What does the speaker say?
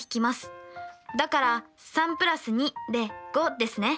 だから３＋２で５ですね。